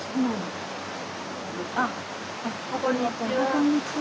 こんにちは！